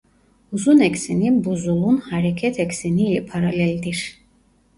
Uzun ekseni buzulun hareket ekseni ile paraleldir.